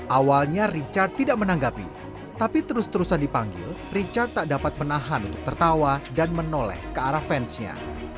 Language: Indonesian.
awalnya richard tidak menanggapi tapi terus terusan dipanggil richard tak dapat menahan untuk tertawa dan menoleh ke arah fansnya